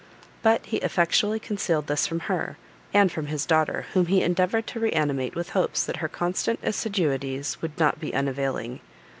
But he effectually concealed this from her, and from his daughter, whom he endeavoured to reanimate with hopes that her constant assiduities would not be unavailing.